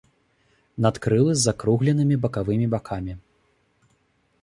Надкрылы з закругленымі бакавымі бакамі.